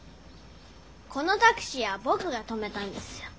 この「タクシー」はぼくが止めたんですよ。